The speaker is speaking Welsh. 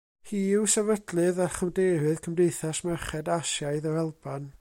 Hi yw sefydlydd a chadeirydd Cymdeithas Merched Asiaidd yr Alban.